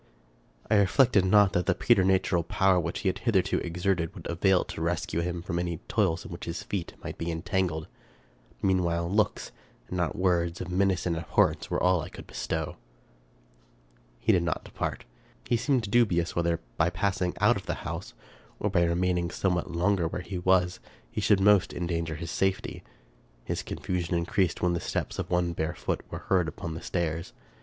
I reflected not that the preternatural power which he had hitherto exerted would avail to rescue him from any toils in which his feet might be entangled. Meanwhile, looks, and not words, of menace and abhorrence, were all that I could bestow. He did not depart. He seemed dubious whether by pass ing out of the house, or by remaining somewhat longer where he was, he should most endanger his safety. His confusion increased when steps of one barefoot were heard upon the stairs.